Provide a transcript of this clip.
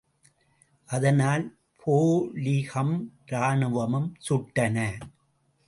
அதனால், போலீகம், ராணுவமும் சுட்டன.